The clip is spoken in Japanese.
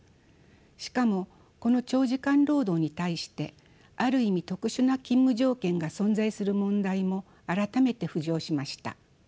しかもこの長時間労働に対してある意味特殊な勤務条件が存在する問題も改めて浮上しました。